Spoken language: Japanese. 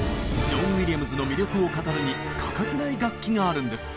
ジョン・ウィリアムズの魅力を語るに欠かせない楽器があるんです！